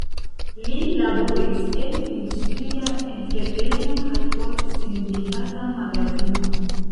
Li laboris en industria entrepreno kaj por sindikata magazino.